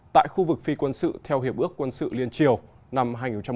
tại khu vực phi quân sự theo hiệp ước quân sự liên triều năm hai nghìn một mươi tám